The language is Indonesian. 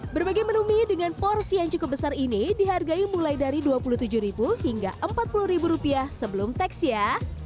berbagai menu mie dengan porsi yang cukup besar ini dihargai mulai dari dua puluh tujuh hingga empat puluh sebelum teks ya